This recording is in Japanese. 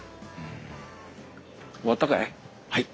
終わったかい？